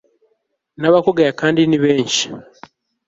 nabakugaya kandi ni benshi